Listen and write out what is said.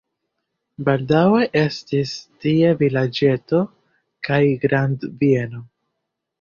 Baldaŭe estis tie vilaĝeto kaj grandbieno.